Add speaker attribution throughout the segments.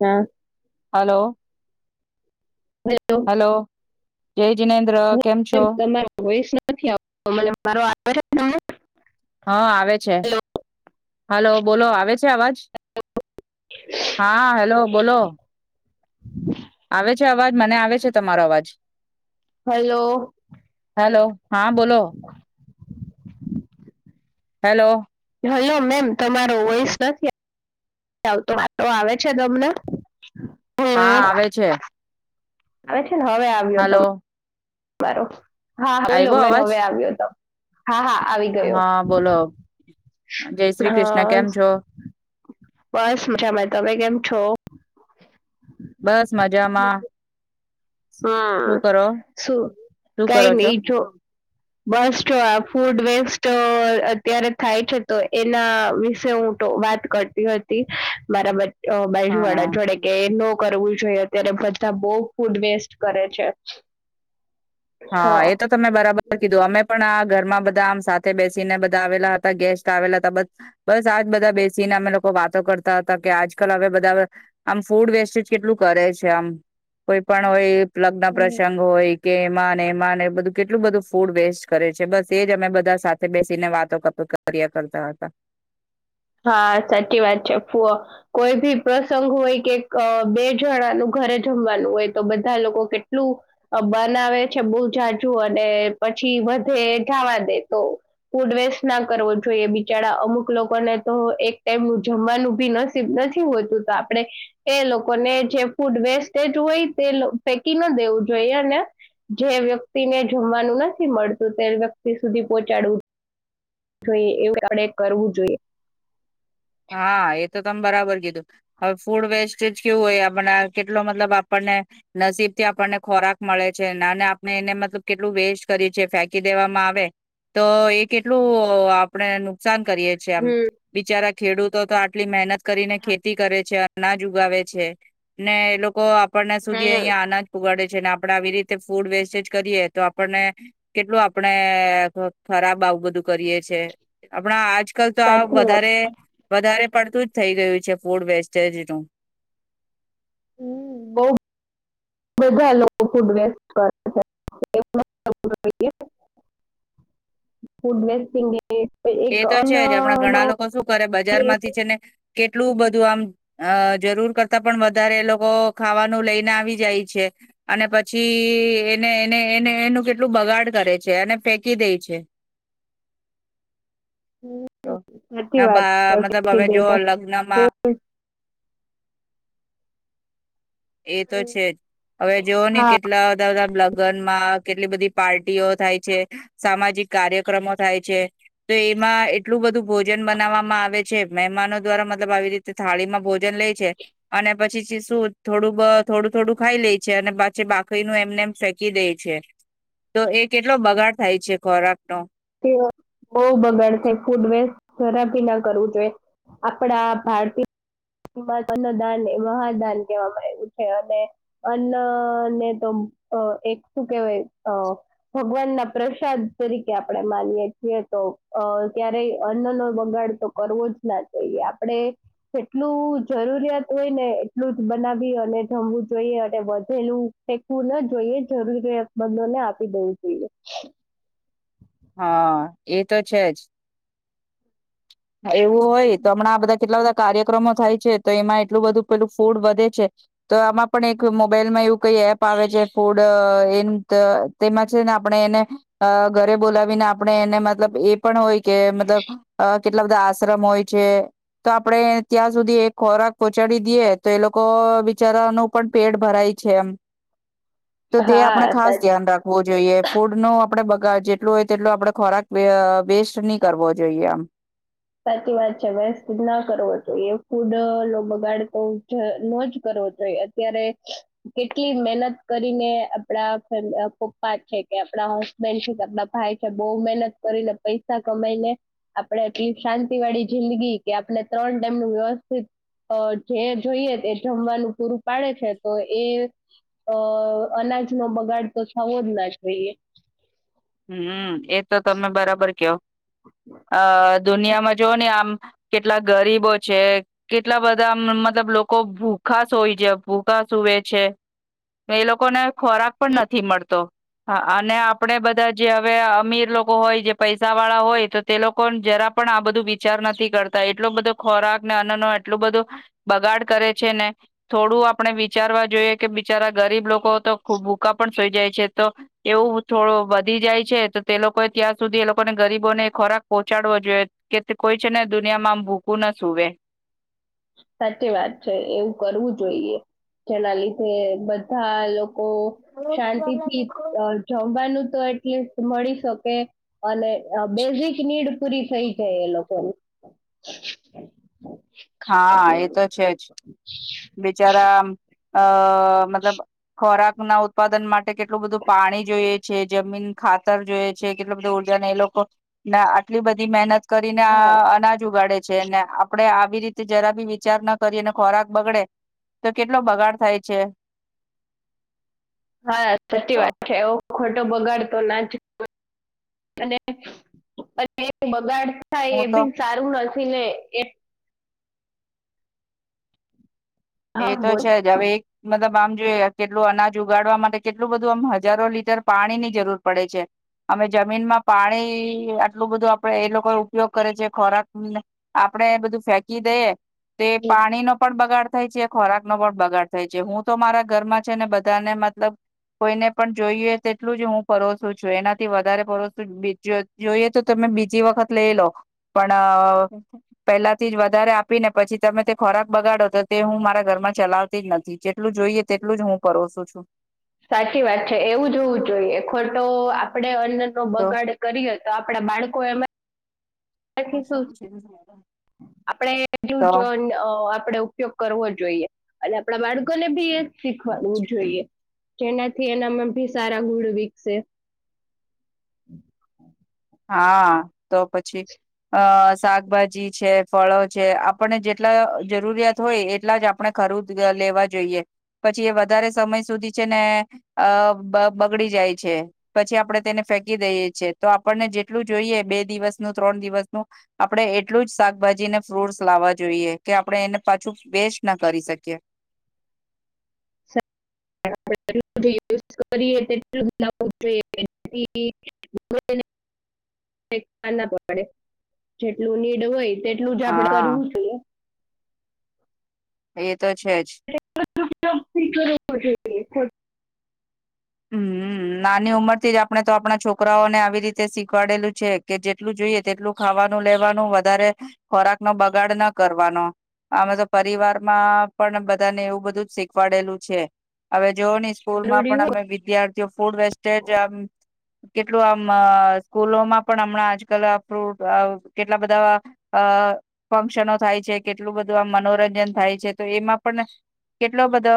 Speaker 1: હા.
Speaker 2: Hello.
Speaker 1: Hello
Speaker 2: hello, જય જીનેન્દ્ર, કેમ છો?
Speaker 1: એમ તમારો વોઇસ નથી આવતો મને. મારો આવે છે તમને?
Speaker 2: હા, આવે છે. હલો, બોલો આવે છે અવાજ? હા, હેલો બોલો.
Speaker 1: [inaudible]
Speaker 2: આવે છે અવાજ? મને આવે છે તમારો અવાજ.
Speaker 1: હેલો
Speaker 2: હેલો, હા બોલો. હેલો.
Speaker 1: હલો મેમ, તમારો વોઇસ નથી આવતો, મારો આવે છે તમને? હેલો
Speaker 2: હા, આવે છે.
Speaker 1: આવે છે? હવે આવ્યો ત
Speaker 2: હલો
Speaker 1: મારો. હા, બોલો
Speaker 2: આવ્યો
Speaker 1: મેમ
Speaker 2: અવાજ
Speaker 1: હવે આવ્યો ત
Speaker 2: હા, બોલો જય શ્રી કૃષ્ણ.
Speaker 1: હા
Speaker 2: કેમ છો?
Speaker 1: બસ મજામાં. તમે કેમ છો?
Speaker 2: બસ મજામાં. શું
Speaker 1: હા,
Speaker 2: કરો
Speaker 1: શું
Speaker 2: શું કરો
Speaker 1: કાઈ
Speaker 2: છો
Speaker 1: નઈ જો બસ જો આ ફૂડ વેસ્ટ તો અત્યારે થાય છે, તો એના વિશે હું તો વાત કરતી હતી મારા બ અ
Speaker 2: હા
Speaker 1: બાયજુવાળા જોળે કે, એનો કરવું જોએ. અત્યારે બધા બોવ ફૂડ વેસ્ટ કરે છે.
Speaker 2: હા, એ તો તમે બરાબર કીધું. અમે પણ આ ઘરમાં બધા આમ સાથે બેસીને બધા આવેલા હતા ગેસ્ટ આવેલા હતા. બ બસ આજ બધા બેસીને અમે લોકો વાતો કરતા હતા કે, આજકાલ હવે બધા આમ ફૂડ વેસ્ટેજ કેટલું કરે છે. આમ કોઈ પણ હોય લગ્ન
Speaker 1: હમ
Speaker 2: પ્રસંગ હોય કે એમાં નેમા ને બધું કેટલું બધું ફૂડ વેસ્ટ કરે છે, બસ એજ અમે બધા સાથે બેસીને વાતો કરતા કર્યા કરતા હતા.
Speaker 1: હા, સાચી વાત છે, ફુવા કોઈ ભી પ્રસંગ હોય કે અ બે જણાનું ઘરે જમવાનું હોય તો બધા લોકો કેટલું બનાવે છે બહુ જાજુ અને પછી વધે એ જાવા દે તો ફૂડ વેસ્ટના કરવો જોઈએ, બિચાડા અમુક લોકોને તો એક ટાઈમનનું જમવાનું ભી નસીબ નથી હોતું તો આપણે એ લોકોને જે ફૂડ વેસ્ટજ હોય તે લો ફેકી ન દેવું જોઈએ અને જે વ્યક્તિને જમવાનું નથી મળતું તે વ્યક્તિ સુધી પોચાડવું જોઇએ એવુ આપડે કરવું જોઈએ.
Speaker 2: હા, એ તો તમે બરાબર કીધું. હવે ફૂડ વેસ્ટેજ કેવું હોય એ આપને કેટલો મતલબ આપણને નસીબથી આપણને ખોરાક મળે છે, નાને આપણે એને મતલબ કેટલું વેસ્ટ કરી છે ફેંકી દેવામાં આવે, તો એ કેટલું આપણે નુકસાન કરીએ છીએ આમ,
Speaker 1: હમ
Speaker 2: બિચારા ખેડૂતો તો આટલી મેહનત કરીને ખેતી કરે છે અ નાજ ઉગાવે છે, ને એ લોકો આ પળના સુધી
Speaker 1: હમ
Speaker 2: અહિયા અનાજ ઉગાડે છે ને આપણે આવી રીતે ફૂડ વેસ્ટેજ કરીએ, તો આપણને કેટલું આપણેે ખરાબ આવું બધું કરીએ છે, આપણા આજ કાલ તો આ
Speaker 1: સાચી વાત
Speaker 2: વધારે વધારે પડતું જ થઈ ગયું છે ફૂડ વેસ્ટેજનું.
Speaker 1: હમ્મ, બો બધા લોકો ફૂડ વેસ્ટ કરે છે [unintelligible] ફૂડ વોસ્ટિંગ
Speaker 2: એ તો છે જ હમડા ઘણા લોકો સુ કરે બજાર માંથી છે ને કેટલું બધું આમ અ જરૂર કરતા પણ વધારે એ લોકો ખાવાનું લઈને આવી જાય છે અને પછી એને, એને, એને, એનું કેટલું બગાડ કરે છે અને ફેકી દે છે.
Speaker 1: હમ્મ,
Speaker 2: તો
Speaker 1: સાચી વાત
Speaker 2: બા મતલબ હવે જો
Speaker 1: છે
Speaker 2: લગ્નમાં
Speaker 1: [unintelligible]
Speaker 2: એ તો છેજ, હવે જોવો ને
Speaker 1: હા
Speaker 2: કેટલા બધા બધા લગનમાં કેટલી બધી પાર્ટીઓ થાય છે, સામાજિક કાર્યક્રમો થાય છે, તો એમાં એટલું બધું ભોજન બનાવવામાં આવે છે, મહેમાનો દ્વારા મતલબ આવી રીતે થાળીમાં ભોજન લે છે અને પછી શું થોડું બ, થોડું થોડું ખાઈ લે છે અને પછી બાકીનું એમને એમ ફેંકી દે છે, તો એ કેટલો બગાડ થાય છે ખોરાકનો.
Speaker 1: તે બઉ બગાડ થાય ફૂડ વેસ્ટ જરા ભી ના કરવું જોઈએ, આપણા ભારતીય [inaudible] અન્નદાન, એ મહાદાન કહેવામાં આઇવુ છે અને અન્નને તો એક શું કેહેવાય અ ભગવાનના પ્રસાદ તરીકે આપ આપણે માનીએ છીએ તો, અ ક્યારે અન્નો બગાડ તો કરવો જ ના જોઈએ, આપણેે જેટલું જરૂરિયાત હોય ને, એટલું જ બનાવી અને જમવું જોઈએ અને વધેલું ફેકવું ન જોઈએ, જરૂરિયાત મંદો ને આપી દેવું જોઈએ.
Speaker 2: હા, એ તો છેજ. હા એવું હોય, તો હમણાં બધા કેટલા બધા કાર્યક્રમો થાય છે તો એમાં એટલું બધું પેલું ફૂડ વધે છે, તો આમાં પણ એક મોબાઈલમાં એવું કઈ એપ આવે છે ફૂડ અ ઇંત તેમાં છે ને આપણે એને અ ઘરે બોલા વિને આપણે એને મતલબ એ પણ હોય કે મતલબ અ કેટલા બધા આશ્રમ હોય છે, તો આપણે ત્યાં સુધી એ ખોરાક પોહચાડી દીએ તો એ લોકો બિચારાનું પણ પેટ ભરાય છે એમ. તો તે આપણે
Speaker 1: હા
Speaker 2: ખાસ
Speaker 1: સાચ
Speaker 2: ધ્યાન રાખવું જોઈએ, ફૂડ નો આપણે બ ગાડ જેટલો હોય તેટલો આપણે ખોરાક વે અ વેસ્ટ ની કરવો જોઈએ આમ.
Speaker 1: સાચી વાત છે, વેસ્ટ ના કરવો જોઈએ, ફૂડનો બગાડતો જ ન જ કરવો જોઈએ, અત્યારે કેટલી મહેનત કરીને આપડા ખ પપ્પા છે કે, આપણા હસબેન્ડ છે, કે આપડા ભાઈ છે, બહુ મહેનત કરીને પૈસા કમાઈને આપણે એ શાંતિ વાળી જિંદગી કે આપણે ત્રણ ટાઈમનું વ્યવસ્થિત અ જે જોઈએ તે જમવાનું પૂરું પાડે છે, તો એ અનાજનો બગાડ તો થવો જ ના જોઈએ.
Speaker 2: હમ્મ્મ. એ તો તમે બરાબર કેવો. અ દુનિયામાં જોવ ને આમ કેટલા ગરીબો છે કેટલા બધા મતલબ લોકો ભૂખા શુય જ ભૂખા સુવે છે એ લોકોને ખોરાક
Speaker 1: હમ
Speaker 2: પણ નથી મળતો અને આપડે બધા જે હવે અમીર લોકો હોય જે પૈસા વાળા હોય તો તે લોકો જરા પણ આ બધું વિચાર નથી કરતા એટલો બધો ખોરાક ને અન્ન ન એટલું બધું બગાડ કરે છે ને થોડું આપણે વિચારવા જોઈએ કે બિચારા ગરીબ લોકો તો ખૂબ ભૂકા પણ સુઈ જાય છે તો એવું થોડું વધી જાય છે તો તે લોકોએ ત્યાં સુધી એ લોકોને ગરીબોને ખોરાક પહોચાડવો જોઈએ કે કોઈ છે ને દુનિયામાં આમ ભૂકું ના સુવે
Speaker 1: સાચી વાત છે એવું કરવું જોઈએ જેના લીધે બધા લોકો કો શાંતિથી અ જમવાનું તો એટલીસ્ટ મળી શકે અને અ બેઝિક નીડ પુરી થઈ જાય એ લોકો
Speaker 2: હા એ તો છે જ બિચારા આ અ મતલબ ખોરાક ના ઉત્પાદન માટે કેટલું બધું પાણી જોઈએ. છે જમીન ખાતર જોય છે કેટલો બધુ ઉર્જાને એ લોકો આટલી બધી મહેનત કરીને
Speaker 1: હા
Speaker 2: આ અનાજ ઉગાડે છે ને આપડે આવી રીત તે જરા ભી વિચાર ના કરી અને ખોરાક બગડે તો કેટલો બગાડ થાય છે.
Speaker 1: હા સચી
Speaker 2: તો
Speaker 1: વાત છે. ખોટો બગાડ તો નાચ અને બગાડ થાય
Speaker 2: હું
Speaker 1: એ
Speaker 2: તો
Speaker 1: બીન સારું ન પીલે એ
Speaker 2: એ
Speaker 1: હા
Speaker 2: તો
Speaker 1: બોલ
Speaker 2: છે જ હવે એક મતલબ આમ જો કેટલું અનાજ ઉગાડવા માટે કેટલું બધું આમ હજારો લીટર પાણીની જરૂર પડે છે અમે જમીનમાં પાણી આટલું બધું આપડ એ લોકો ઉપયોગ કરે છે ખોરાક આપણેે બધું ફેંકી દઈએ તે પાણી નો પણ બગાડ છે ખોરાક નો પણ બગાડ થાય છે હું તો મારા ઘરમાં છે ને બધાને મતલબ કોઈને પણ જોઈએ તેટલું જ હું પરસું છું એનાથી વધારે પરસું જોઈએ તો તમે બીજી વખત લઈ લો પણ પેલાથી જ વધારે આપીને પછી તમે તે ખોરાક બગાડો તો તે હું મારા ઘરમાં ચલાવતી જ નથી જેટલું જોઈએ તેટલું જ હું પરોસું છું.
Speaker 1: સાચી વાત છે એવું જો હોવું જોઈએ ખોટો આપડે નો
Speaker 2: તો
Speaker 1: બગાડ કરીએ તો આપણા બાળકો એમમાં થી શુ આપણેે
Speaker 2: તો
Speaker 1: જ આપણેે ઉપયોગ કરવો જોઈએ. અને આપણા બાળકો ને ભી એ શીખવાડવું જોઈએ. જેનાથી એનામાં ભી સારા ગુણ વિકસે
Speaker 2: હા તો પછી અ શાકભાજી છે ફળો છે આપણને જેટલા જરૂરિયાત હોય એટલા જ આપણે ખરુદ લેવા જોઈએ પછી એ વધારે સમય સુધી છે ને અ બગડી જાય છે પછી આપડે તેને ફેંકી દઈએ છે તો આપણને જેટલું જોઈએ બે દિવસનું ત્રણ દિવસનું આપણે એટલું જ શાકભાજીને ફ્રૂટસ લાવવા જોઈએ કે આપણે એને પાછું વેસ્ટ ના કરી શકીએ.
Speaker 1: જોઈએ જેટલું નીડ હોય તેટલું જ આપડે
Speaker 2: હા
Speaker 1: કરવું જોઈએ. [inaudible]
Speaker 2: એ તો છે જ
Speaker 1: [inaudible] [unintelligible]
Speaker 2: હમ્મ નાની ઉંમર થી જ આપણે તો આપણા છોકરાઓને આવી રીતે શીખવાડેલું છે કે જેટલું જોઈએ તેટલું ખાવાનું લેવાનું વધારે ખોરાક નો બગાડ ના કરવાનો અમે તો પરિવારમાં પણ બધાને એવું બધું જ શીખવાડેલું છે. અવે જોઓની સ્કૂલ માં
Speaker 1: જરૂરી
Speaker 2: પણ
Speaker 1: હોય
Speaker 2: [unintelligible] ફૂડ વેસ્ટેજ આમ કેટલું આમ અ સ્કૂલોમાં પણ હમણાં આજકાલ ફ્રૂટ અ કેટલા બધા અ ફંક્શનો થાય છે કેટલું બધું આમ મનોરંજન થાય છે તો એમાં પણ કેટલો બધો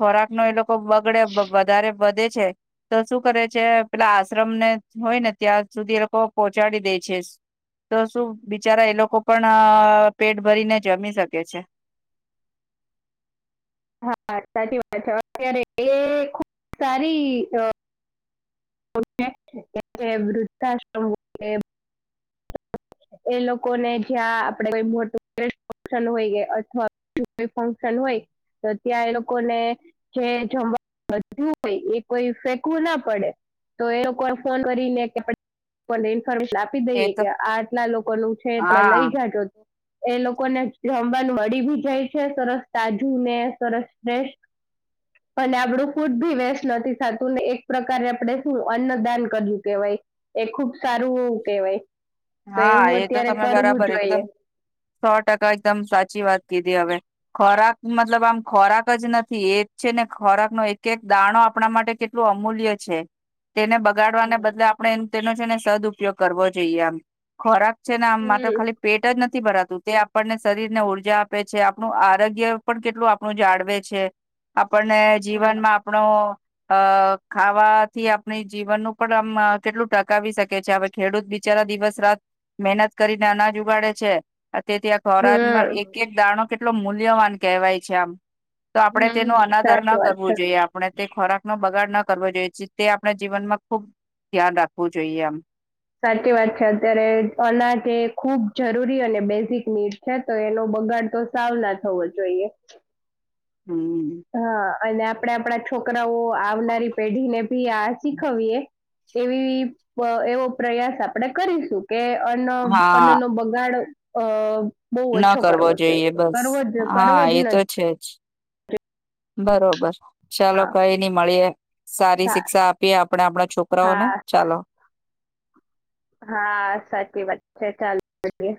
Speaker 2: ખોરાક નો એ લોકો બગડે વધારે વધે છે, તો શું કરે છે પેલા આશ્રમને હોય ને ત્યાં સુધી એ લોકો પહોંચાડી દે છેસ, તો શું બિચારા એ લોકો પણ અ પેટ ભરીને જમી શકે છે.
Speaker 1: હા સાચી વાત છે. અત્યારે એ ખુબ સારી અ [unintelligible] વૃદ્ધાશ્રમ હો કે [unintelligible] એ લોકોને જ્યાં આપળે કોઈ મોટું [unintelligible] ફંકશન હોય કે અથવા [unintelligible] ફંક્શન હોય તો ત્યાં એ લોકોને જે જમવાનું વધ્યું હોય એ કોઈ ફેકવું ના પડે. તો એ લોકો ફોન કરી ને [unintelligible] ઈફોર્મેશન આપી
Speaker 2: એ
Speaker 1: દઈએે
Speaker 2: તો
Speaker 1: કે આટલા લોકો નું છે તમે
Speaker 2: હા
Speaker 1: લઈ જાજો એ લોકોને જોમવાનું મળી ભી જાય છે સરસ તાજું ને સરસ ને, અને આપડું ફૂડ ભી વેસ્ટ નથી થતું ને એક પ્રકારે આપડે શું અન્નદાન કર્યું કેવાય, એ ખુબ સારું કેવાય. તો
Speaker 2: હા
Speaker 1: એવું
Speaker 2: એ તો
Speaker 1: અત્યારે
Speaker 2: તમે
Speaker 1: કરવું
Speaker 2: બરાબર એકદમ,
Speaker 1: જોઈએ
Speaker 2: સો ટકા એકદમ સાચી વાત કીધી હવે, ખોરાક મતલબ આમ ખોરાક જ નથી એ છે ને ખોરાક નો એક-એક દાણો આપણા માટે કેટલું અમૂલ્ય છે. તેને બગાડવાના બદલે
Speaker 1: હમ
Speaker 2: આપડે તેનો છે ને સદ ઉપયોગ કરવો જોઈએ આમ ખોરાક છે ને આમ તો ખાલી પેટ જ ન થી ભરાતું તે આપણને શરીર ને ઉર્જા આપે છે. આપણું આરોગ્ય પણ કેટલું આપણું જાળવે છે. આ પણને જીવનમાં આપણો અ ખાવાથી આપણી જીવનનું પણ આમ અ કેટલું ટકાવી શકે છે. હવે ખેડૂત બિચારા દિવસ રાત મહેનત કરીને અનાજ ઉગાડે છે. આ તે-તે આ ખોરાકના
Speaker 1: હમ
Speaker 2: એક-એક દાણો કેટલો મૂલ્યવાન કહેવાય છે આમ તો આપડે તેનું અનાદર ન
Speaker 1: સાચી વાત છે
Speaker 2: કરવું જોઈએ આપડે તે ખોરાક નો બ ગાડ ના કરવો જોઈએ તે આપણે જીવનમાં ખુબ ધ્યાન રાખવું જોઈએ આમ.
Speaker 1: સાચી વાત છે અત્યારે અનાજે એ ખૂબ જરૂરી અને બેઝિક નિડ છે તો એનો બગાડ તો સાવ ના થવો જોઈએ.
Speaker 2: હમ
Speaker 1: હા. અને આપળે આપળા છોકરાઓ આવનારી પેઢી ને ભી આ શીખવીએ એવી પ એવો પ્રયાસ આપડે કરીશું. કે અન્ન અન્નનો બગાડ અ બહુ
Speaker 2: ના
Speaker 1: ઓછો
Speaker 2: કરવો જોઈએ બસ
Speaker 1: કરવો જ
Speaker 2: હા
Speaker 1: કરવો
Speaker 2: એ
Speaker 1: જ
Speaker 2: તો
Speaker 1: ન
Speaker 2: છે જ બરોબર ચાલો
Speaker 1: હા
Speaker 2: કઈ નઈ મળીએે સારી
Speaker 1: હા
Speaker 2: શિક્ષા આપીએ આપણે આપણા છોકરાઓને
Speaker 1: હા
Speaker 2: ચાલો
Speaker 1: હા સાચી વાત છે ચાલ મળ્યે